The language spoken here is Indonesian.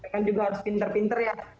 kan juga harus pinter pinter ya